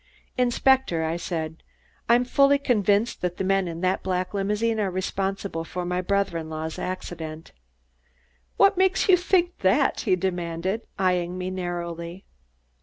"Inspector," I said, "I am fully convinced that the men in the black limousine are responsible for my brother in law's accident." "What makes you think that?" he demanded, eying me narrowly.